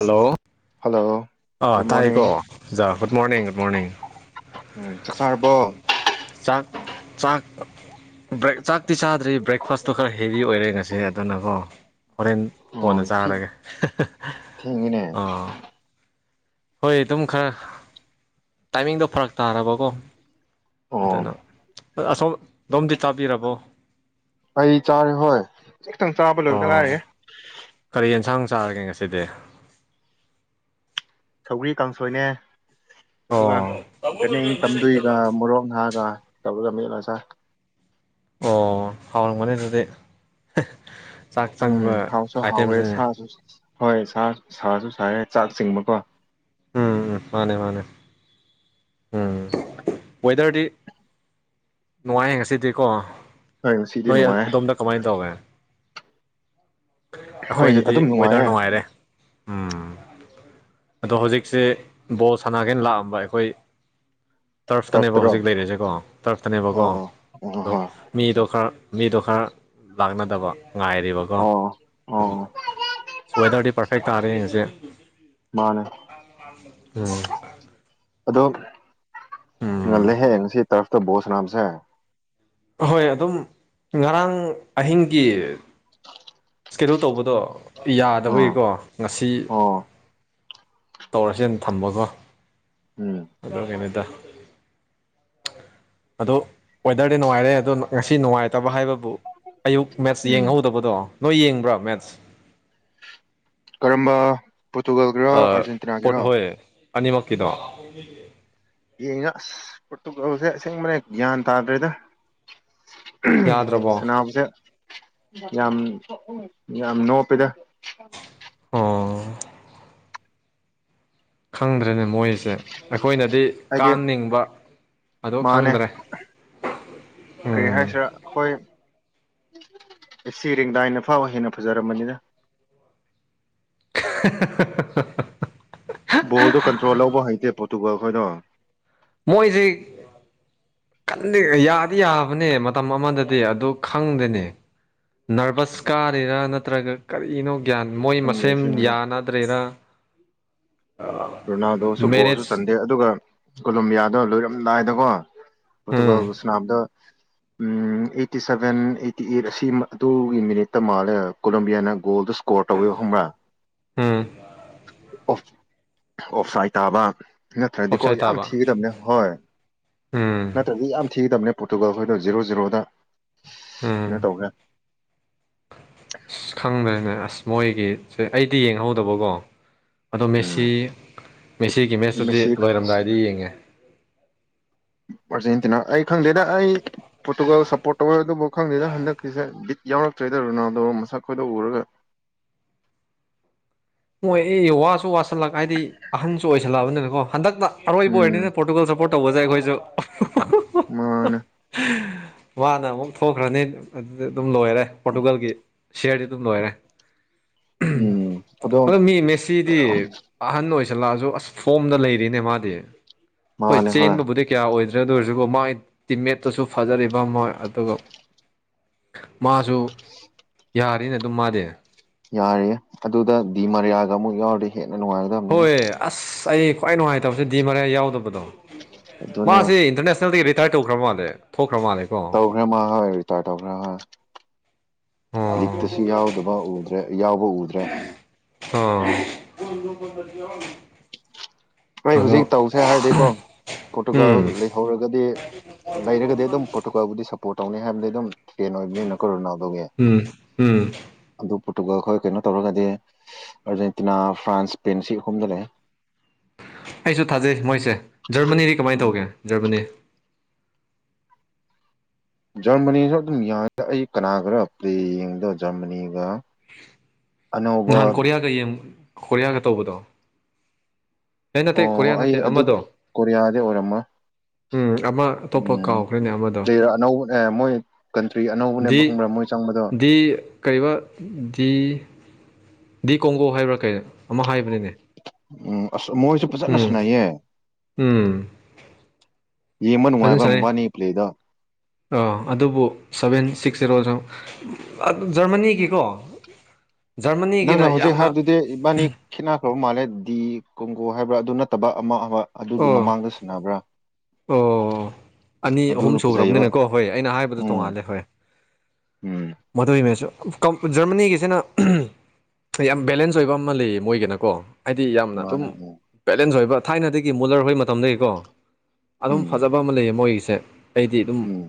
Hello hello ꯑꯥ good ꯇꯥꯏꯌꯦꯀꯣ morning ꯑꯣꯖꯥ ꯒꯨꯗ ꯃꯣꯔꯅꯤꯡ ꯒꯨꯗ ꯃꯣꯔꯅꯤꯡ ꯍꯣꯏ ꯆꯥꯛ ꯆꯥꯔꯕꯣ ꯆꯥꯛ ꯆꯥꯛ ꯕ꯭ꯔꯦꯛ ꯆꯥꯛꯇꯤ ꯆꯥꯗ꯭ꯔꯤ ꯕ꯭ꯔꯦꯛꯐꯥꯁꯇꯣ ꯈꯔ ꯍꯦꯕꯤ ꯑꯣꯏꯔꯦ ꯉꯁꯤ ꯑꯗꯨꯅꯒꯣ ꯍꯣꯔꯦꯟ ꯀꯣꯟꯅ ꯑꯣ ꯊꯦꯡ ꯆꯥꯔꯒꯦ ꯑꯥ [unintelligible] ꯍꯣꯏ ꯑꯗꯨꯝ ꯈꯔ ꯇꯥꯏꯃꯤꯡꯗꯣ ꯐꯔꯛ ꯇꯥꯔꯕꯀꯣ ꯑꯣ ꯑꯗꯨꯅ ꯑꯁꯣꯝ ꯗꯣꯝꯗꯤ ꯆꯥꯕꯤꯔꯕꯣ ꯑꯩ ꯆꯥꯔꯦ ꯍꯣꯏ ꯖꯤꯛꯇꯪ ꯆꯥꯕ ꯂꯣꯏꯕꯗ ꯑꯣ ꯉꯥꯏꯔꯤꯌꯦ ꯀꯔꯤ ꯌꯦꯟꯁꯥꯡ ꯆꯥꯔꯒꯦ ꯉꯁꯤꯗꯤ ꯁꯧꯒ꯭ꯔꯤ ꯀꯥꯡꯁꯣꯏꯅꯦ ꯑꯣ ꯑꯗꯨꯒꯥ ꯚꯦꯅꯤꯡ ꯇꯝꯗꯨꯏꯒꯥ ꯃꯣꯔꯣꯛ ꯅꯍꯥꯒ ꯇꯧꯕꯗ ꯃꯦꯠꯂꯥ ꯆꯥꯏ ꯑꯣ ꯍꯥꯎꯔꯝꯒꯅꯦ ꯑꯗꯨꯗꯤ ꯆꯥꯛ ꯎꯝ ꯆꯪꯕ ꯍꯥꯎꯁꯨ ꯑꯥꯏꯇꯦꯝꯁꯅꯤꯅꯦ [unintelligible] ꯍꯣꯏ ꯁꯥ ꯁꯥꯔꯖꯨ ꯁꯥꯌꯦ ꯆꯥꯛ ꯆꯤꯡꯕꯀꯣ ꯎꯝ ꯃꯥꯅꯦ ꯃꯥꯅꯦ ꯎꯝ ꯋꯦꯗꯔꯗꯤ ꯅꯨꯡꯉꯥꯏꯌꯦ ꯉꯁꯤꯗꯤꯀꯣ ꯍꯣꯏ ꯉꯁꯤꯗꯤ ꯅꯣꯏ ꯅꯨꯡꯉꯥꯏꯌꯦ ꯑꯗꯣꯝꯗ ꯀꯃꯥꯏ ꯇꯧꯒꯦ ꯍꯣꯏ ꯑꯩꯈꯣꯏꯗꯗꯤ ꯑꯗꯨꯝ ꯋꯦꯗꯔ ꯅꯨꯡꯉꯥꯏꯌꯦ ꯅꯨꯡꯉꯥꯏꯔꯦ ꯎꯝ ꯑꯗꯣ ꯍꯧꯖꯤꯛꯁꯦ ꯕꯣꯜ ꯁꯥꯟꯅꯒꯦꯅ ꯂꯥꯛꯑꯝꯕ ꯑꯩꯈꯣꯏ ꯇ꯭ꯔꯐꯇꯅꯦꯕ ꯇꯔꯐꯇꯔꯣ ꯍꯧꯖꯤꯛ ꯂꯩꯔꯤꯖꯦꯀꯣ ꯇ꯭ꯔꯐꯇꯅꯦꯕꯀꯣ ꯑꯣ ꯑꯣ ꯑꯣ ꯑꯗꯣ ꯍꯣꯏ ꯃꯤꯗꯣ ꯈꯔ ꯃꯤꯗꯣ ꯈꯔ ꯂꯥꯛꯅꯗꯕ ꯉꯥꯏꯔꯤꯕꯀꯣ ꯑꯣ ꯑꯣ ꯎꯝ ꯋꯦꯗꯔꯗꯤ ꯄꯥꯔꯐꯦꯛ ꯇꯥꯔꯦꯍꯦ ꯉꯁꯤ ꯃꯥꯅꯦ ꯎꯝ ꯑꯗꯣ ꯎꯝ ꯉꯜꯂꯦꯍꯦ ꯉꯁꯤ ꯇ꯭ꯔꯞꯇ ꯕꯣꯜ ꯁꯟꯅꯕꯁꯦ ꯍꯣꯏ ꯑꯗꯨꯝ ꯉꯔꯥꯡ ꯑꯍꯤꯡꯒꯤ [inaudible] ꯁꯦꯗꯨꯜ ꯇꯧꯕꯗꯣ ꯑꯥ ꯌꯥꯗꯕꯩꯒꯤꯀꯣ ꯉꯁꯤ ꯑꯣ ꯇꯧꯔꯁꯦꯅ ꯊꯝꯕꯀꯣ ꯎꯝ ꯑꯗꯨꯒꯤꯅꯤꯗ ꯑꯗꯣ ꯋꯦꯗꯔꯗꯤ ꯅꯨꯡꯉꯥꯏꯔꯦ ꯑꯗꯣ ꯉꯁꯤ ꯅꯨꯡꯉꯥꯏꯇꯕ ꯍꯥꯏꯕꯕꯨ ꯑꯌꯨꯛ ꯃꯦꯠꯁ ꯎꯝ ꯌꯦꯡꯍꯧꯗꯕꯗꯣ ꯅꯣꯏ ꯌꯦꯡꯕ꯭ꯔꯥ ꯃꯦꯠꯁ ꯀꯔꯝꯕ ꯄꯣꯔꯇꯨꯒꯜꯒꯤꯔꯥ ꯄꯣꯠ ꯑꯥꯔꯖꯦꯟꯇꯤꯅꯥꯒꯤꯔꯥ ꯍꯣꯏ ꯑꯅꯤꯃꯛꯀꯤꯗꯣ [unintelligible] ꯌꯦꯡꯉꯥ ꯑꯁ ꯄꯣꯔꯇꯨꯒꯜꯁꯦ ꯑꯁꯦꯡꯕꯅ ꯒ꯭ꯌꯥꯟ ꯇꯥꯗ꯭ꯔꯦꯗ ꯌꯥꯗ꯭ꯔꯕꯣ ꯁꯅꯥꯕꯁꯦ ꯌꯥꯝ ꯌꯥꯝ ꯅꯣꯞꯄꯤꯗ ꯑꯣ ꯈꯪꯗ꯭ꯔꯦꯅꯦ ꯃꯣꯏꯁꯦ ꯑꯩꯈꯣꯏꯅꯗꯤ ꯍꯥꯏꯗꯤ ꯀꯪꯅꯤꯡꯕ ꯑꯗꯣ ꯃꯥꯅꯦ ꯈꯪꯗ꯭ꯔꯦ ꯀꯔꯤ ꯎꯝ ꯍꯥꯏꯁꯤꯔꯥ ꯑꯈꯣꯏ [unintelligible] ꯐꯥꯎ ꯍꯦꯟꯅ ꯐꯖꯔꯝꯕꯅꯤꯗ [unintelligible] ꯕꯣꯜꯣ ꯀꯟꯇ꯭ꯔꯣꯜ ꯂꯧꯕ ꯍꯩꯇꯦ ꯄꯣꯔꯇꯨꯒꯜꯈꯣꯏꯗꯣ ꯃꯣꯏꯖꯦ ꯀꯟꯗꯤ ꯌꯥꯗꯤ ꯌꯥꯕꯅꯦ ꯃꯇꯝ ꯑꯃꯗꯗꯤ ꯑꯗꯣ ꯈꯪꯗꯦꯅꯦ ꯅꯔꯚ꯭ꯁ ꯀꯥꯔꯤꯔꯥ ꯅꯠꯇ꯭ꯔꯒ ꯀꯔꯤꯅꯣ ꯒ꯭ꯌꯥꯟ ꯃꯣꯏ ꯈꯪꯗꯦ ꯃꯁꯦꯝ ꯑꯁꯦꯡꯕ ꯌꯥꯅꯗ꯭ꯔꯦꯔ ꯔꯨꯅꯥꯗꯣꯁꯨꯒꯣꯜꯁꯨ ꯆꯟ ꯑꯦ ꯑꯗꯨꯒ ꯀꯣꯂꯣꯝꯕꯤꯌꯥꯗꯣ ꯂꯣꯏꯔꯝꯗꯥꯏꯗꯀꯣ ꯎꯝ ꯄ꯭ꯔꯣꯇꯨꯒꯜꯕꯨ ꯁꯅꯥꯕꯗ ꯎꯝ ꯑꯩꯠꯇꯤ ꯁꯚꯦꯟ ꯑꯩꯠꯇꯤ ꯑꯩꯠ ꯑꯁꯤ ꯑꯗꯨꯒꯤ ꯃꯤꯅꯤꯠꯇ ꯃꯥꯜꯂꯦ ꯀꯣꯂꯝꯕꯤꯌꯥꯅ ꯒꯣꯜꯗꯣ ꯀꯣꯔ ꯇꯧꯋꯦꯕ ꯈꯪꯕ꯭ꯔ ꯎꯝ ꯑꯣꯐ ꯁꯥꯏꯠ ꯇꯥꯕ ꯅꯠꯇ꯭ꯔꯗꯤꯀꯣ ꯑꯣꯞꯁꯥꯏꯠ ꯌꯥꯝ ꯇꯥꯕ ꯊꯤꯒꯗꯕꯅꯦ ꯍꯣꯏ ꯎꯝ ꯅꯠꯇ꯭ꯔꯗꯤ ꯌꯥꯝ ꯊꯤꯒꯗꯕꯅꯦ ꯄꯣꯔꯇꯨꯒꯜꯈꯣꯏꯗꯣ ꯖꯤꯔꯣ ꯖꯤꯔꯣꯗ ꯀꯩꯅꯣ ꯎꯝ ꯇꯧꯕꯅꯦ ꯑꯁ ꯈꯪꯗ꯭ꯔꯗ ꯑꯁ ꯃꯣꯏꯒꯤꯁꯦ ꯑꯩꯗꯤ ꯌꯦꯡꯍꯧꯗꯕꯀꯣ ꯑꯗꯣ ꯃꯦꯁꯤ ꯎꯝ ꯃꯦꯁꯤꯒꯤ ꯃꯦꯁꯇꯨꯗꯤ ꯃꯦꯁꯤ ꯂꯣꯏꯔꯝꯗꯥꯏꯗꯤ ꯌꯦꯡꯉꯦ ꯑꯥꯔꯖꯦꯟꯇꯤꯅ ꯑꯩ ꯈꯪꯗꯦꯗ ꯑꯩ ꯄꯣꯔꯇꯨꯒꯜ ꯁꯞꯄꯣꯔꯠ ꯇꯧꯋꯦ ꯑꯗꯨꯕꯨ ꯈꯪꯗꯦꯗ ꯍꯟꯗꯛꯀꯤꯁꯦ ꯕꯤꯠ ꯌꯥꯎꯔꯛꯇ꯭ꯔꯦꯗ ꯔꯣꯅꯥꯜꯗꯣ ꯃꯁꯛ ꯈꯣꯏꯗꯣ ꯎꯔꯒ ꯑꯣꯏꯔꯣ ꯌꯣ ꯋꯥꯁꯨ ꯋꯥꯁꯤꯜꯂꯛ ꯍꯥꯏꯗꯤ ꯑꯍꯟꯁꯨ ꯑꯣꯏꯁꯜꯂꯛꯑꯕꯅꯤꯅꯀꯣ ꯍꯟꯗꯛꯇ ꯑꯔꯣꯏꯕ ꯎꯝ ꯑꯣꯏꯔꯅꯤꯅ ꯄꯣꯔꯇꯨꯒꯜ ꯁꯞꯄꯣꯔꯠ ꯇꯧꯕꯗꯥꯏ ꯑꯩꯈꯣꯏꯁꯨ ꯃꯥꯅꯦ ꯃꯥꯅ ꯑꯃꯨꯛ ꯊꯣꯛꯈ꯭ꯔꯅꯤ ꯑꯗꯨꯗꯤ ꯑꯗꯨꯝ ꯂꯣꯏꯔꯦ ꯄꯣꯔꯇꯨꯒꯜꯒꯤ ꯁꯤꯌꯥꯔꯗꯤ ꯑꯗꯨꯝ ꯂꯣꯏꯔꯦ ꯎꯝ ꯑꯗꯣ ꯃꯤ ꯃꯦꯁꯤꯗꯤ ꯑꯍꯟ ꯑꯣꯏꯁꯜꯂꯛꯑꯁꯨ ꯑꯁ ꯐꯣꯝꯗ ꯂꯩꯔꯤꯅꯦ ꯃꯥꯗꯤ ꯍꯣꯏ ꯆꯦꯟꯕꯕꯨꯗꯤ ꯀꯌꯥ ꯑꯣꯏꯗ꯭ꯔꯦ ꯑꯗꯨ ꯑꯣꯏꯔꯖꯨꯀꯣ ꯃꯥꯒꯤ ꯇꯤꯝꯃꯦꯠꯇꯁꯨ ꯐꯖꯔꯤꯕ ꯃꯣꯏ ꯑꯗꯨꯒ ꯃꯥꯁꯨ ꯌꯥꯔꯤꯅ ꯑꯗꯨꯝ ꯃꯥꯗꯤ ꯌꯥꯔꯤꯌꯦ ꯑꯗꯨꯗ ꯗꯤꯃꯔꯤꯌꯥꯒ ꯑꯃꯨꯛ ꯌꯥꯎꯔꯗꯤ ꯍꯦꯟꯅ ꯅꯨꯡꯉꯥꯏ ꯍꯣꯏ ꯑꯁ ꯑꯩ ꯈ꯭ꯋꯥꯏ ꯅꯨꯡꯉꯥꯏꯇꯕꯖꯦ ꯗꯤꯃꯔꯤꯌꯥ ꯌꯥꯎꯗꯕꯗꯣ ꯑꯗꯨꯅꯦ ꯃꯥꯁꯤ ꯏꯟꯇꯔꯅꯦꯁꯅꯦꯜꯗꯒꯤ ꯔꯤꯇꯥꯌꯔ ꯇꯧꯈ꯭ꯔ ꯃꯥꯜꯂꯦ ꯊꯣꯛꯈ꯭ꯔ ꯃꯥꯜꯂꯦ ꯇꯧꯒ꯭ꯔꯦ ꯃꯥ ꯍꯣꯏ ꯔꯤꯇꯥꯔ ꯇꯧꯒ꯭ꯔꯦ ꯍꯣꯏ ꯂꯤꯛꯇꯁꯨ ꯑꯣ ꯌꯥꯎꯗꯕ ꯎ ꯅꯦ ꯌꯥꯎꯕ ꯎꯗ꯭ꯔꯦ ꯑꯣ ꯑꯩ ꯑꯗꯣ ꯍꯧꯖꯤꯛ ꯇꯧꯁꯦ ꯍꯥꯏꯔꯗꯤꯀꯣ ꯎꯝ ꯄꯣꯔꯇꯨꯒꯜꯂꯤ ꯍꯧꯔꯒꯗꯤ ꯂꯩꯔꯒꯗꯤ ꯑꯗꯨꯝ ꯄꯣꯔꯇꯨꯒꯥꯜꯕꯨꯗꯤ ꯁꯞꯄꯣꯔꯠ ꯇꯧꯅꯤ ꯍꯥꯏꯕꯗꯤ ꯑꯗꯨꯝ ꯐꯦꯟ ꯑꯣꯏꯕꯅꯤꯅ ꯀꯣ ꯔꯣꯅꯥꯜꯗꯣꯒꯤ ꯎꯝ ꯎꯝ ꯑꯗꯨ ꯄꯣꯔꯇꯨꯒꯜ ꯈꯣꯏ ꯀꯩꯅꯣ ꯇꯧꯔꯒꯗꯤ ꯑꯥꯔꯖꯦꯟꯇꯤꯅꯥ ꯐ꯭ꯔꯥꯟꯁ ꯁꯄꯦꯟ ꯁꯤ ꯑꯍꯨꯝꯗ ꯂꯩ ꯑꯩꯁꯨ ꯊꯥꯖꯩ ꯃꯣꯏꯁꯦ ꯖꯔꯃꯅꯤꯗꯤ ꯀꯃꯥꯏꯟ ꯎꯝ ꯇꯧꯒꯦ ꯖꯔꯃꯅꯤ ꯖꯔꯃꯅꯤꯖꯨ ꯑꯗꯨꯝ ꯌꯥꯏꯗ ꯑꯩ ꯀꯅꯥꯒꯥꯔ ꯄ꯭ꯂꯦ ꯌꯦꯡꯕꯗꯣ ꯖꯔꯃꯅꯤꯒ ꯑꯅꯧꯕ ꯅꯍꯥꯟ ꯀꯣꯔꯤꯌꯥꯒ ꯌꯦꯡ ꯀꯣꯔꯤꯌꯥꯒ ꯇꯧꯕꯗꯣ ꯑꯩ ꯅꯠꯇꯦ ꯑꯣ ꯀꯣꯔꯤꯌꯥ ꯑꯩ ꯅꯠꯇꯦ ꯑꯗꯨꯗꯤ ꯑꯃꯗꯣ ꯀꯣꯔꯤꯌꯥꯗꯤ ꯑꯣꯏꯔꯝꯃꯣꯏ ꯎꯝ ꯑꯃ ꯑꯇꯣꯞꯄ ꯎꯝ ꯀꯥꯎꯈ꯭ꯔꯦꯅꯦ ꯑꯃꯗꯣ ꯄ꯭ꯂꯦꯌꯔ ꯑꯅꯧ ꯑꯦ ꯃꯣꯏ ꯀꯟꯇ꯭ꯔꯤ ꯗꯤ ꯑꯅꯧꯕꯅꯦꯕ ꯈꯪꯕ꯭ꯔꯥ ꯃꯣꯏ ꯆꯪꯕꯗꯣ ꯗꯤ ꯀꯩꯕ ꯗꯤ ꯗꯤ ꯀꯣꯡꯒꯣ ꯍꯥꯏꯕ꯭ꯔꯥ ꯀꯩꯅꯣ ꯑꯃ ꯍꯥꯏꯕꯅꯤꯅꯦ ꯎꯝ ꯑꯁ ꯃꯣꯏꯁꯤꯕꯨ ꯐꯖꯅ ꯎꯝ ꯁꯨꯅꯩꯌꯦ ꯎꯝ ꯌꯦꯡꯕ ꯅꯨꯡꯉꯥꯏꯕ ꯃꯣꯏꯕꯅꯤꯒꯤ ꯄ꯭ꯂꯦꯗꯣ ꯑꯣ ꯑꯗꯨꯕꯨ ꯁꯚꯦꯟ ꯁꯤꯛꯁ ꯖꯦꯔꯣꯁꯨ ꯑꯗꯨ ꯖꯔꯃꯅꯤꯒꯤꯀꯣ ꯖꯔꯃꯅꯤꯒꯤꯅ ꯅꯪꯅ ꯍꯧꯖꯤꯛ ꯌꯥꯝꯅ ꯍꯥꯏꯕꯗꯨꯗꯤ ꯏꯕꯥꯅꯤꯛ ꯈꯦꯠꯅꯈ꯭ꯔꯕ ꯃꯥꯜꯂꯦ ꯗꯤ ꯀꯣꯡꯒꯣ ꯍꯥꯏꯕ꯭ꯔꯥ ꯑꯗꯨ ꯅꯠꯇꯕ ꯑꯃ ꯑꯃ ꯑꯗꯨꯒꯤ ꯑꯣ ꯃꯃꯥꯡꯗ ꯁꯟꯅꯥꯕ꯭ꯔꯥ ꯑꯣ ꯑꯅꯤ ꯑꯍꯨꯝ ꯁꯨꯒ꯭ꯔꯕꯅꯤꯅꯀꯣ ꯍꯣꯏ ꯑꯩꯅ ꯍꯥꯏꯕꯗꯣ ꯎꯝ ꯇꯣꯡꯉꯥꯜꯂꯦ ꯍꯣꯏ ꯎꯝ ꯃꯗꯨꯏ ꯃꯦꯁꯨ ꯀꯝ ꯖꯔꯃꯅꯤꯒꯤꯁꯤꯅ ꯎꯝ ꯌꯥꯝ ꯕꯦꯂꯦꯟꯁ ꯑꯣꯏꯕ ꯑꯃ ꯂꯩꯌꯦ ꯃꯣꯏꯒꯤꯅꯀꯣ ꯍꯥꯏꯗꯤ ꯌꯥꯝꯅ ꯑꯗꯨꯝ ꯃꯥꯅꯦ ꯎꯝ ꯕꯦꯂꯦꯟꯁ ꯑꯣꯏꯕ ꯊꯥꯏꯅꯗꯒꯤ ꯃꯨꯂꯔ ꯍꯣꯏ ꯃꯇꯝꯗꯒꯤꯀꯣ ꯑꯗꯨꯝ ꯎꯝ ꯐꯖꯕ ꯑꯃ ꯂꯩꯌꯦ ꯃꯣꯏꯒꯤꯁꯦ ꯑꯩꯗꯤ ꯑꯗꯨꯝ ꯎꯝ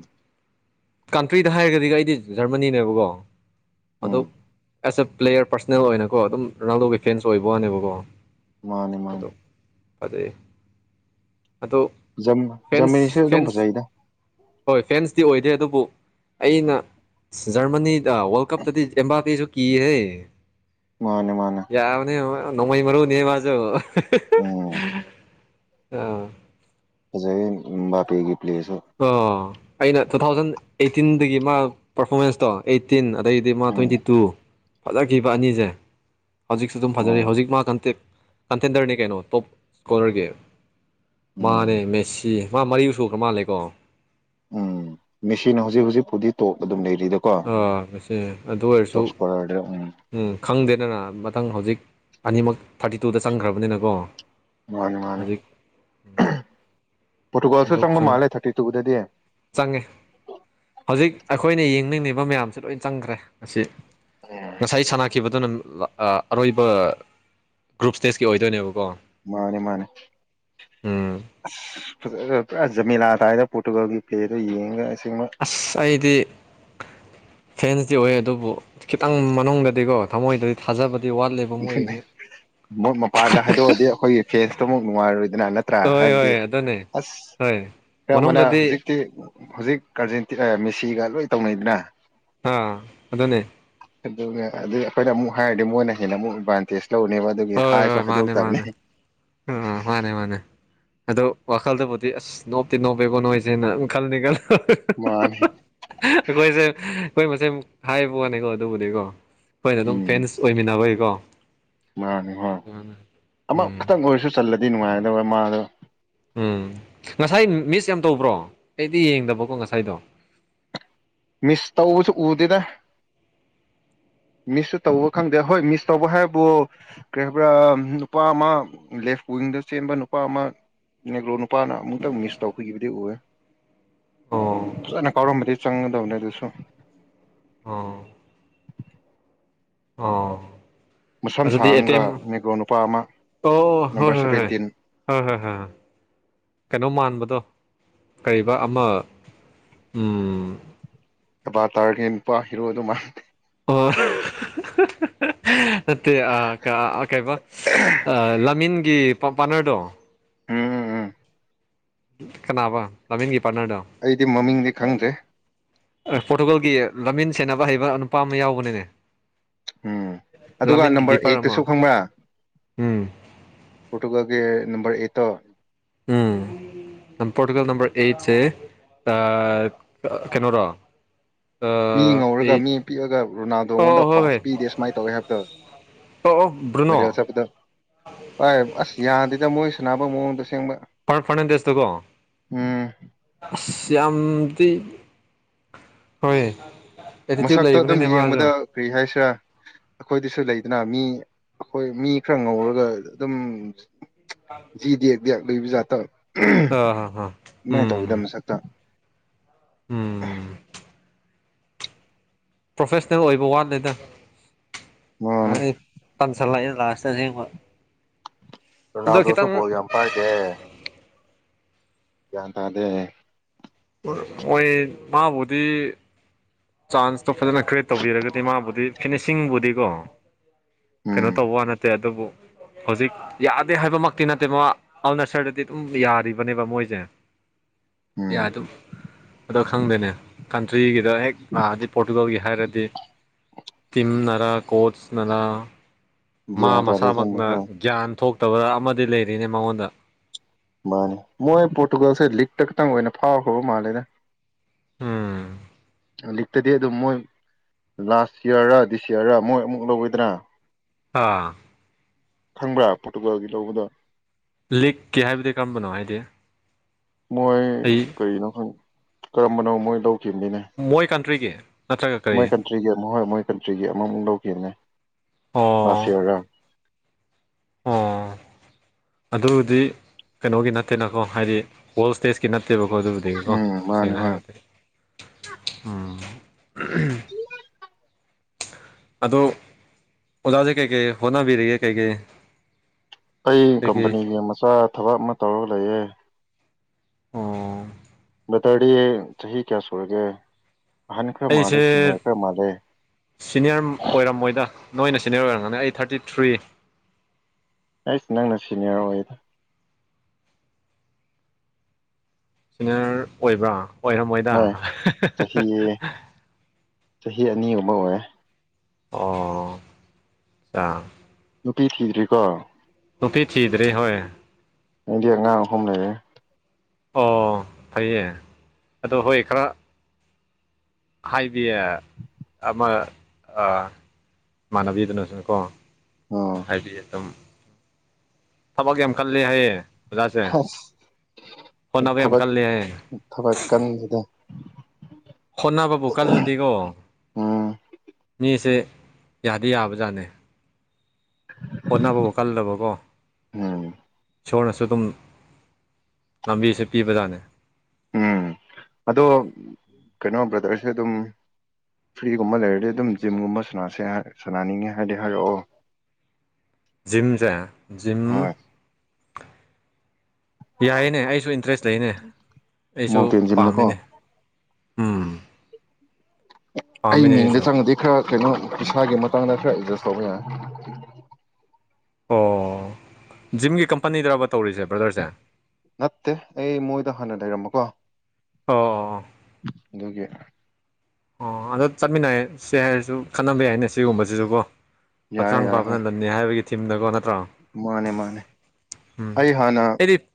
ꯀꯟꯇ꯭ꯔꯤꯗ ꯍꯥꯏꯔꯒꯗꯤ ꯑꯩꯗꯤ ꯖꯔꯃꯅꯤꯅꯦꯕꯀꯣ ꯎꯝ ꯑꯗꯨꯝ ꯑꯦꯁ ꯑꯦ ꯄ꯭ꯂꯦꯌꯔ ꯄꯔꯁꯅꯦꯜ ꯑꯣꯏꯅꯀꯣ ꯑꯗꯨꯝ ꯔꯣꯅꯥꯜꯗꯣꯒꯤ ꯐꯦꯟꯁ ꯑꯣꯏꯕ ꯋꯥꯅꯦꯕꯀꯣ ꯃꯥꯅꯤ ꯃꯥꯅꯤ ꯑꯗꯩ ꯑꯗꯣ ꯖꯝ ꯖꯔꯃꯤꯅꯤꯁꯨ ꯐꯦꯟꯁ ꯑꯗꯨꯝ ꯐꯦꯟꯁ ꯐꯖꯩꯗ ꯍꯣꯏ ꯐꯦꯟꯁꯇꯤ ꯑꯣꯏꯗꯦ ꯑꯗꯨꯕꯨ ꯑꯩꯅ ꯖꯔꯃꯅꯤꯗ ꯋꯥ꯭ꯔꯜꯗ ꯀꯞꯇꯗꯤ ꯑꯦꯝꯕꯥꯄꯦꯖꯨ ꯀꯤꯍꯦ ꯃꯥꯅꯦ ꯃꯥꯅꯦ ꯌꯥꯕꯅꯤꯃ ꯅꯣꯡꯃꯩ ꯃꯔꯨꯅꯦ ꯃꯥꯖꯨ ꯎꯝ ꯑꯥ ꯐꯖꯩꯌꯦ ꯃꯕꯥꯄꯦꯒꯤ ꯄ꯭ꯂꯦꯁꯨ ꯀꯣ ꯑꯩꯅ ꯇꯨ ꯊꯥꯎꯖꯟ ꯑꯩꯠꯇꯤꯟꯗꯒꯤ ꯃꯥ ꯄꯔꯐꯣꯔꯃꯦꯟꯁꯇꯣ ꯑꯩꯠꯇꯤꯟ ꯗꯩꯗꯤ ꯃꯥ ꯎꯝ ꯇ꯭ꯋꯦꯟꯇꯤ ꯇꯨ ꯐꯖꯒꯤꯕ ꯑꯅꯤꯖꯦ ꯍꯧꯖꯤꯛꯁꯨ ꯑꯗꯨꯝ ꯐꯖꯔꯤ ꯑꯣ ꯍꯧꯖꯤꯛ ꯃꯥ ꯀꯟꯇꯦ ꯀꯟꯇꯦꯟꯗꯔꯅꯤ ꯀꯩꯅꯣ ꯇꯣꯞ ꯁꯀꯣꯔꯔꯒꯤ ꯃꯥꯅꯦ ꯎꯝ ꯃꯦꯁꯤ ꯃꯥ ꯃꯔꯤ ꯁꯨꯈ꯭ꯔ ꯃꯥꯜꯂꯦꯀꯣ ꯎꯝ ꯃꯦꯁꯤꯅꯥ ꯍꯧꯖꯤꯛ ꯍꯧꯖꯤꯛꯐꯧꯗꯤ ꯇꯣꯞ ꯑꯗꯨꯝ ꯂꯩꯔꯤꯗ꯫ ꯥꯑꯣ ꯑꯁꯦ ꯑꯗꯨ ꯑꯣꯏꯔꯁꯨ꯫ ꯎꯝ ꯈꯪꯗꯦꯗꯅ ꯃꯊꯪ ꯍꯧꯖꯤꯛ ꯑꯅꯤꯃꯛ ꯊꯔꯇꯤ ꯇꯨꯗ ꯆꯪꯈ꯭ꯔꯕꯅꯤꯅꯀꯣ꯫ ꯃꯥꯅꯤ ꯃꯥꯅꯤ ꯍꯧꯖꯤꯛ ꯄꯣꯔꯇꯨꯒꯜꯁꯨ ꯑꯗꯨ ꯆꯪꯕ ꯈꯪ ꯃꯥꯜꯂꯦ ꯊꯔꯇꯤ ꯇꯨꯗꯗꯤ꯫ ꯆꯪꯉꯦ ꯍꯧꯖꯤꯛ ꯑꯩꯈꯣꯏꯅ ꯌꯦꯡꯅꯤꯡꯅꯤꯕ ꯃꯌꯥꯝꯁꯦ ꯂꯣꯏ ꯆꯪꯈ꯭ꯔꯦ ꯑꯁꯤ꯫ ꯎꯝ ꯉꯁꯥꯏ ꯁꯥꯟꯅꯈꯤꯕꯗꯨꯅ ꯂ ꯑ ꯑꯔꯣꯏꯕ ꯒ꯭ꯔꯨꯞ ꯁ꯭ꯇꯦꯁꯀꯤ ꯑꯣꯏꯗꯣꯏꯅꯦꯕꯀꯣ꯫ ꯃꯥꯅꯦ ꯃꯥꯅꯦ ꯎꯝ ꯑꯁ ꯐꯖꯒ꯭ꯔꯦ ꯄꯨꯔꯥ ꯖꯃꯤꯂꯥ ꯇꯥꯏꯗ ꯄꯣꯔꯇꯨꯒꯜꯒꯤ ꯄ꯭ꯂꯦꯗꯣ ꯌꯦꯡꯉꯒ ꯑꯁꯦꯡꯕ꯫ ꯑꯁ ꯑꯩꯗꯤ ꯐꯦꯟꯁꯇꯤ ꯑꯣꯏ ꯑꯗꯨꯕꯨ ꯈꯤꯇꯪ ꯃꯅꯨꯡꯗꯗꯤꯀꯣ ꯊꯃꯣꯏꯗꯗꯤ ꯊꯥꯖꯕꯗꯤ ꯋꯥꯠꯂꯤ꯫ ꯕꯣ ꯃꯣꯏꯒꯤꯖꯦ ꯃꯣꯏ ꯃꯄꯥꯟꯗ ꯍꯥꯏꯗꯣꯛꯑꯗꯤ ꯑꯈꯣꯏꯒꯤ ꯐꯦꯟꯁꯇꯃꯨꯛ ꯅꯨꯡꯉꯥꯏꯔꯣꯏꯗꯅ ꯅꯠꯇ꯭ꯔꯥ ꯍꯣꯏ ꯍꯥꯏꯕꯗꯤ ꯍꯣꯏ ꯑꯗꯨꯅꯦ ꯑꯁ ꯍꯣꯏ ꯈꯔ ꯑꯃꯅ ꯃꯅꯨꯡꯗꯗꯤ ꯍꯧꯖꯤꯛꯇꯤ ꯍꯧꯖꯤꯛ ꯀꯥꯔꯖꯦꯟ ꯑ ꯃꯦꯁꯤꯒ ꯂꯣꯏ ꯇꯧꯅꯩꯗꯅ꯫ ꯑꯥ ꯑꯗꯨꯅꯦ꯫ ꯑꯗꯨꯒ ꯑꯗꯨ ꯑꯈꯣꯏꯅ ꯑꯃꯨꯛ ꯍꯥꯏꯔꯗꯤ ꯃꯣꯏꯅ ꯍꯦꯟꯅ ꯑꯃꯨꯛ ꯑꯦꯗꯚꯥꯟꯇꯦꯖ ꯂꯧꯔꯅꯤꯕ꯫ ꯍꯣꯏ ꯍꯣꯏ ꯃꯥꯅꯦ ꯃꯥꯅꯦ ꯎꯝ ꯃꯥꯅꯦ ꯃꯥꯅꯦ꯫ ꯑꯗꯣ ꯋꯥꯈꯜꯗꯕꯨꯗꯤ ꯑꯁ ꯅꯣꯞꯇꯤ ꯅꯣꯞꯄꯦꯕꯣ ꯅꯣꯏꯖꯦꯅ ꯗꯨꯝ ꯈꯜꯗꯤ ꯈꯜ꯫ ꯃꯥꯅꯦ꯫ ꯑꯈꯣꯏꯖꯦ ꯑꯈꯣꯏ ꯃꯁꯦꯟ ꯍꯥꯏꯕ ꯋꯥꯅꯦꯀꯣ ꯑꯗꯨꯕꯨꯗꯤꯀꯣ꯫ ꯈꯣꯏꯅ ꯗꯨꯝ ꯎꯝ ꯐꯦꯟꯁ ꯑꯣꯏꯃꯤꯟꯅꯕꯩ ꯀꯣ꯫ ꯃꯥꯅꯤ ꯃꯥꯅꯤ ꯎꯝ ꯑꯃꯥꯈꯇꯪ ꯑꯣꯏꯔꯁꯨ ꯆꯜꯂꯗꯤ ꯅꯨꯡꯉꯥꯏꯒꯗꯕ ꯃꯥꯗꯣ꯫ ꯎꯝ ꯉꯁꯥꯏ ꯃꯤꯁ ꯌꯥꯝ ꯇꯧꯕ꯭ꯔꯣ ꯑꯩꯗꯤ ꯌꯦꯡꯗꯕꯀꯣ ꯉꯁꯥꯏꯗꯣ꯫ ꯃꯤꯁ ꯇꯧꯕꯁꯨ ꯎꯗꯦꯗ꯫ ꯃꯤꯁꯁꯨ ꯇꯧꯕ ꯈꯪꯗꯦ ꯍꯣꯏ ꯃꯤꯁ ꯇꯧꯕ ꯍꯥꯏꯕꯨ ꯀ꯭ꯔꯤ ꯍꯥꯏꯕ꯭ꯔꯥ ꯅꯨꯄꯥ ꯑꯃꯥ ꯂꯦꯐ ꯋꯤꯡꯗ ꯆꯦꯟꯕ ꯅꯨꯄꯥ ꯑꯃ ꯅꯦꯒ꯭ꯔꯣ ꯅꯨꯄꯥꯅ ꯑꯃꯨꯛꯇꯪ ꯃꯤꯁ ꯇꯧꯕꯤꯈꯤꯕꯗꯤ ꯎꯏꯌꯦ ꯑꯣ ꯐꯖꯅ ꯀꯥꯎꯔꯝꯃꯗꯤ ꯆꯪꯒꯗꯕꯅꯦ ꯑꯗꯨꯁꯨ꯫ ꯑꯣ ꯑꯣ ꯃꯁꯝ ꯑꯗꯨꯗꯤ ꯑꯦꯇꯦꯝ ꯁꯥꯡꯒ ꯅꯦꯒ꯭ꯔꯣ ꯅꯨꯄꯥ ꯑꯃ ꯑꯣꯑꯣ ꯍꯣꯏ ꯅꯝꯕꯔ ꯍꯣꯏ ꯁꯚꯦꯟꯇꯤꯟ ꯍꯣꯏ ꯍꯣꯏ ꯍꯣꯏ ꯍꯣꯏ ꯀꯩꯅꯣ ꯃꯥꯟꯕꯗꯣ ꯀꯔꯤꯕ ꯑꯃꯥ ꯎꯝ ꯑꯕꯥꯇꯥꯔꯒꯦ ꯅꯨꯄꯥ ꯍꯤꯔꯣꯗꯨ ꯃꯥꯂꯦ꯫ ꯑꯣ ꯅꯠꯇꯦ ꯑ ꯀ ꯑꯥ ꯀꯩꯕ ꯑ ꯂꯥꯃꯤꯟꯒꯤ ꯄꯄꯥꯔꯠꯅꯔꯗꯣ ꯎꯝ ꯎꯝ ꯎꯝ꯫ ꯀꯅꯥꯕ ꯂꯥꯃꯤꯟꯒꯤ ꯄꯥꯔꯠꯅꯔꯗꯣ꯫ ꯑꯩꯗꯤ ꯃꯃꯤꯡꯗꯤ ꯈꯪꯗ꯭ꯔꯦ ꯑꯥ ꯄꯣꯔꯇꯨꯒꯜꯒꯤ ꯂꯝꯃꯤꯟ ꯁꯦꯟꯅꯕ ꯍꯩꯕ ꯅꯨꯄꯥ ꯑꯃꯥ ꯌꯥꯎꯕꯅꯤꯅꯦ ꯎꯝ ꯑꯗꯨꯒ ꯂꯥꯃꯤꯟꯒꯤ ꯅꯝꯕꯔ ꯀꯤꯄꯔ ꯑꯩꯠꯇꯁꯨ ꯑꯃ ꯈꯪꯕ꯭ꯔꯥ ꯎꯝ ꯄꯣꯇꯨꯒꯜꯒꯤ ꯅꯝꯕꯔ ꯑꯦꯠꯇꯣ ꯎꯝ ꯄꯣꯔꯇꯨꯒꯜ ꯅꯝꯕꯔ ꯑꯩꯠꯁꯦ ꯑ ꯀꯩꯅꯣꯔꯣ ꯃꯤ ꯑ, ꯉꯧꯔꯒ ꯑꯩꯠ ꯃꯤ ꯄꯤꯛꯑꯒ ꯑꯣ ꯔꯣꯅꯥꯜꯗꯣꯉꯣꯟꯗ ꯑꯣ, ꯍꯣꯏ ꯄꯥꯁ ꯍꯣꯏ ꯄꯤꯗꯦ ꯁꯨꯃꯥꯏ ꯇꯧꯋꯦ ꯍꯥꯏꯕꯗꯣ ꯑꯣ ꯑꯣ ꯕꯥꯔꯅꯣ ꯥꯑꯏ ꯑꯁ ꯌꯥꯗꯦꯗ ꯃꯣꯏ ꯁꯥꯟꯅꯕ ꯃꯑꯣꯡꯗꯣ ꯑꯁꯦꯡꯕ ꯐꯔ ꯐꯔꯅꯥꯟꯗꯦꯁꯇꯣ ꯀꯣ ꯎꯝ ꯑꯁ ꯌꯥꯝꯗꯤ ꯍꯣꯏ ꯑꯦꯇꯤꯇ꯭ꯌꯨꯠ ꯃꯁꯛꯇꯣ ꯑꯗꯨꯝ ꯂꯩꯕꯅꯤꯅꯦ ꯌꯦꯡꯕꯗ ꯃꯥꯁꯨ ꯀꯔꯤ ꯍꯥꯏꯁꯤꯔꯥ ꯑꯈꯣꯏꯗꯤꯁꯨ ꯂꯩꯗꯅ ꯃꯤ ꯑꯈꯣꯏ ꯃꯤ ꯈꯔ ꯉꯧꯔꯒ ꯑꯗꯨꯝ [inaudible] ꯄꯤꯗꯛ ꯗꯌꯥꯛ ꯂꯩꯕ ꯖꯥꯠꯇꯣ ꯑꯥ ꯍꯥ ꯍꯥ ꯑꯗꯨꯃꯥꯏꯅ ꯇꯧꯋꯤꯗ ꯎꯝ ꯃꯁꯛꯇ ꯎꯝ ꯄ꯭ꯔꯣꯐꯦꯁꯅꯦꯜ ꯑꯣꯏꯕ ꯋꯥꯂꯤꯗ ꯃꯥꯅꯦ ꯑꯩ ꯇꯟꯁꯜꯂꯛꯦ ꯂꯥꯁꯇ ꯑꯁꯦꯡꯕ ꯑꯗꯣ ꯔꯣꯅꯥꯜꯗꯣꯁꯨ ꯈꯤꯇꯪ ꯕꯣꯜ ꯌꯥꯝ ꯄꯥꯏꯗꯦ ꯒꯌ꯭ꯥꯟ ꯇꯥꯗꯦ ꯃꯣꯏ ꯃꯥꯕꯨꯗꯤ ꯆꯥꯟꯁꯇꯣ ꯐꯖꯅ ꯀ꯭ꯔꯤꯌꯦꯠ ꯇꯧꯕꯤꯔꯒꯗꯤ ꯃꯥꯕꯨꯗꯤ ꯐꯤꯅꯤꯁꯤꯡꯕꯨꯗꯤꯀꯣ ꯀꯩꯅꯣ ꯎꯝ ꯇꯧꯕ ꯋꯥ ꯅꯠꯇꯦ ꯑꯗꯨꯕꯨ ꯍꯧꯖꯤꯛ ꯌꯥꯗꯦ ꯍꯥꯏꯕꯃꯛꯇꯤ ꯅꯠꯇꯦ ꯃꯥ ꯑꯜꯅꯁꯔꯗꯗꯤ ꯑꯗꯨꯝ ꯌꯥꯔꯤꯕꯅꯦꯕ ꯃꯣꯏꯁꯦ ꯌꯥ ꯎꯝ ꯑꯗꯨꯝ ꯑꯗꯣ ꯈꯪꯗꯦꯅꯦ ꯀꯟꯇ꯭ꯔꯤꯒꯤꯗ ꯍꯦꯛ ꯂꯛꯑꯥꯗꯤ ꯄꯣꯔꯇꯨꯒꯜꯒꯤ ꯍꯥꯏꯔꯗꯤ ꯇꯤꯝꯅꯔ ꯀꯣꯆꯅꯔ ꯃꯥ ꯒ꯭ꯌꯥꯟ ꯇꯥꯗꯦ ꯑꯁꯦꯡꯕ ꯃꯁꯥꯃꯛꯅ ꯍꯣꯏ ꯒ꯭ꯌꯥꯟ ꯊꯣꯛꯇꯕ ꯑꯃꯗꯤ ꯂꯩꯔꯤꯅꯦ ꯃꯉꯣꯟꯗ ꯃꯥꯅꯦ ꯃꯣꯏ ꯄꯣꯔꯇꯨꯒꯜꯁꯦ ꯂꯤꯛꯇ ꯈꯛꯇꯪ ꯑꯣꯏꯅ ꯐꯥꯎꯈ꯭ꯔꯕ ꯃꯥꯜꯂꯦꯅꯥ ꯎꯝ ꯂꯤꯛꯇꯗꯤ ꯑꯗꯨꯝ ꯃꯣꯏ ꯂꯥꯁ ꯏꯌꯥꯔ ꯗꯤꯁ ꯌꯔ ꯃꯣꯏ ꯑꯃꯨꯛ ꯂꯧꯏꯗꯅꯥ ꯑꯥ ꯈꯪꯕ꯭ꯔꯥ ꯄꯣꯔꯇꯨꯒꯥꯜꯒꯤ ꯂꯧꯕꯗꯣ ꯂꯤꯛꯀꯦ ꯍꯥꯏꯕꯗꯤ ꯀꯔꯝꯕꯅꯣ ꯍꯥꯏꯗꯤ ꯃꯣꯏ ꯑꯩ ꯀꯔꯤꯅꯣ ꯈꯪ ꯀꯔꯝꯕꯅꯣ ꯃꯣꯏ ꯂꯧꯈꯤꯝꯅꯤꯅꯦ ꯃꯣꯏ ꯀꯟꯇ꯭ꯔꯤꯒꯤ ꯅꯠꯇ꯭ꯔꯒ ꯀꯔꯤ ꯇ꯭ꯔꯤꯒꯤ ꯑꯝꯍꯣꯏ ꯃꯣꯏ ꯀꯟꯇ꯭ꯔꯤꯒꯤ ꯑꯃꯃꯨꯛ ꯂꯧꯈꯤꯝꯅꯦ ꯑꯣ ꯂꯥꯁꯌꯤꯌꯥꯔꯒ ꯑꯣ ꯑꯗꯨꯕꯨꯗꯤ ꯀꯩꯅꯣꯒꯤ ꯅꯠꯇꯦꯅꯀꯣ ꯍꯥꯏꯗꯤ ꯋꯥꯜ ꯁ꯭ꯇꯦꯖꯀꯤ ꯅꯠꯇꯦꯕꯀꯣ ꯑꯗꯨꯕꯨ ꯗꯤꯀꯣ ꯎꯝ ꯃꯥꯅꯦ ꯁꯦꯡꯅ ꯍꯣꯏ ꯍꯥꯏꯒꯗꯤ ꯎ ꯑꯗꯣ ꯑꯣꯖꯥꯁꯦ ꯀꯩꯀꯩ ꯍꯣꯠꯅꯕꯤꯔꯤꯒꯦ ꯀꯩꯀꯩ ꯑꯩ ꯀꯩꯀꯩ ꯀꯝꯄꯅꯤꯒꯤ ꯃꯆꯥ ꯊꯕꯛ ꯑꯃ ꯇꯧꯔꯒ ꯂꯩꯌꯦ ꯑꯣ ꯕꯥꯇꯦꯔꯗꯤ ꯆꯍꯤ ꯀꯌꯥ ꯁꯣꯔꯥꯥꯒꯦ ꯑꯩꯁꯦ ꯃꯥꯜꯂꯦ ꯁꯤꯅꯤꯌꯔ ꯑꯣꯏꯔꯝꯃꯣꯏꯗ ꯅꯣꯏꯅ ꯁꯤꯅꯤꯌꯔ ꯑꯣꯏꯔꯝꯒꯅꯤ ꯑꯩ ꯊꯥꯔꯇꯤ ꯊ꯭ꯔꯤ ꯑꯩꯁ ꯅꯪꯅ ꯁꯤꯅꯤꯌꯔ ꯑꯣꯏ ꯁꯤꯅꯤꯌꯔ ꯑꯣꯏꯕ꯭ꯔꯥ ꯑꯣꯏꯔꯝꯃꯣꯏꯗ꯫ ꯍꯣꯏ ꯆꯍꯤ ꯆꯍꯤ ꯑꯅꯤꯒꯨꯝꯕ ꯑꯣꯏꯌꯦ꯫ ꯑꯣ ꯆꯥ꯫ ꯅꯨꯄꯤ ꯊꯤꯗ꯭ꯔꯤꯀꯣ꯫ ꯅꯨꯄꯤ ꯊꯤꯗ꯭꯭ꯔꯤ ꯍꯣꯏ꯫ ꯅꯪꯗꯤ ꯑꯉꯥꯡ ꯑꯍꯨꯝ ꯂꯩꯔꯦ꯫ ꯑꯣ ꯐꯩꯌꯦ ꯑꯗꯣ ꯍꯣꯏ ꯈꯔ ꯍꯥꯏꯕꯤ ꯑꯃ ꯑ ꯏꯃꯥꯟꯅꯕꯤꯗꯨꯅꯁꯨꯅꯀꯣ꯫ ꯑꯣ ꯉꯁꯥꯏꯗꯤ ꯑꯗꯨꯝ ꯊꯕꯛ ꯌꯥꯝ ꯀꯜꯂꯦ ꯍꯥꯏꯌꯦ꯫ ꯑꯣꯖꯥꯁꯦ ꯑꯁ ꯍꯣꯠꯅꯕ ꯌꯥꯝ ꯊꯕꯛ ꯀꯜꯂꯦ ꯍꯥꯏꯌꯦ꯫ ꯊꯕꯛ ꯀꯟꯗꯦꯗ꯫ ꯍꯣꯠꯅꯕꯕꯨ ꯀꯜꯂꯗꯤꯀꯣ ꯎꯝ ꯃꯤꯁꯦ ꯌꯥꯗꯤ ꯌꯥꯕꯖꯥꯠꯅꯦ꯫ ꯍꯣꯠꯅꯕꯕꯨ ꯀꯜꯂꯕꯀꯣ ꯎꯝ ꯏꯁꯣꯔꯅꯁꯨ ꯑꯗꯨꯝ ꯂꯝꯕꯤꯁꯦ ꯄꯤꯕꯖꯥꯠꯅꯦ꯫ ꯎꯝ ꯑꯗꯣ ꯀꯩꯅꯣ ꯕ꯭ꯔꯗꯔꯁꯦ ꯑꯗꯨꯝ ꯐ꯭ꯔꯤꯒꯨꯝꯕ ꯂꯩꯔꯗꯤ ꯑꯗꯨꯝ ꯖꯤꯝꯒꯨꯝꯕ ꯁꯅꯥꯁꯦ ꯍꯥꯏ-ꯁꯥꯟꯅꯅꯤꯡꯉꯦ ꯍꯥꯏꯔꯗꯤ ꯍꯥꯏꯔꯛꯑꯣ꯫ ꯖꯤꯝꯁꯦ ꯖꯤꯝ ꯍꯣꯏ ꯌꯥꯏꯌꯦꯅꯦ ꯑꯩꯁꯨ ꯏꯟꯇꯔꯦꯁ ꯂꯩꯅꯦ ꯑꯩꯁꯨ ꯃꯥꯎꯟꯇꯦꯟ ꯖꯤꯝꯅꯀꯣ ꯄꯥꯝꯃꯤꯅꯦ꯫ ꯎꯝ ꯑꯩ ꯄꯥꯝꯃꯤꯅꯦ ꯃꯤꯡꯗ ꯑꯩꯁꯨ ꯆꯪꯉꯗꯤ ꯈꯔ ꯀꯩꯅꯣ ꯄꯩꯁꯥꯒꯤ ꯃꯇꯥꯡꯗ ꯈꯔ ꯑꯦꯗꯖꯁ ꯇꯧꯕ ꯌꯥꯏ꯫ ꯑꯣ ꯖꯤꯝꯒꯤ ꯀꯝꯄꯅꯤꯗꯔꯕ ꯇꯧꯔꯤꯁꯦ ꯕ꯭ꯔꯗꯔꯁꯦ꯫ ꯅꯠꯇꯦ ꯑꯩ ꯃꯣꯏꯗ ꯍꯥꯟꯅ ꯂꯩꯔꯝꯕꯀꯣ꯫ ꯑꯣ ꯑꯣ꯫ ꯑꯗꯨꯒꯤ꯫ ꯑꯣ ꯑꯗꯣ ꯆꯠꯃꯤꯟꯅꯩ-ꯁꯦ ꯍꯥꯏꯔꯁꯨ ꯈꯟꯅꯕ ꯌꯥꯏꯅꯦ ꯁꯤꯒꯨꯝꯕꯁꯤꯁꯨꯀꯣ ꯌꯥꯔꯦ ꯍꯛꯆꯥꯡ ꯌꯥꯔꯦ ꯍꯣꯏ ꯐꯕꯅ ꯂꯟ ꯅꯤ ꯍꯥꯏꯕꯒꯤ ꯊꯤꯝꯗꯀꯣ ꯅꯠꯇ꯭ꯔꯣ꯫ ꯃꯥꯅꯦ ꯃꯥꯅꯦ ꯎꯝ ꯑꯩ ꯍꯥꯟꯅ ꯑꯩꯗꯤ